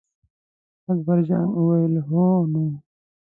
اکبر جان وویل: هو نو.